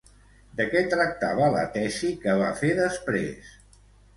De què tractava la tesi que va fer després?